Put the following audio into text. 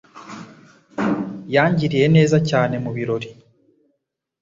Yangiriye neza cyane mu birori.